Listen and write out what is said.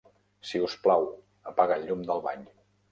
Si us plau, apaga el llum del bany.